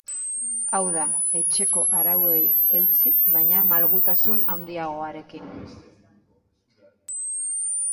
Hau da, etxeko arauei eutsi, baina malgutasun handiagoarekin.